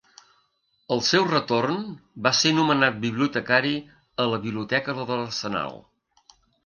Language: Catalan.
Al seu retorn va ser nomenat bibliotecari a la Biblioteca de l'Arsenal.